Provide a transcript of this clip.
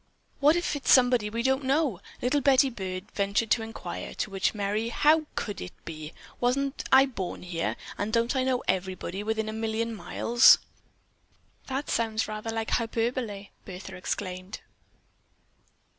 "What if it's somebody we don't know?" little Betty Byrd ventured to inquire, to which Merry "How could it be? Wasn't I born here, and don't I know everybody within a million miles?" "That sounds rather like hyperbole," Bertha exclaimed.